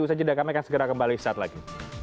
bisa tidak kami akan segera kembali saat lagi